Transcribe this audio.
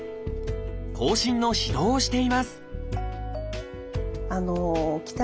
後進の指導をしています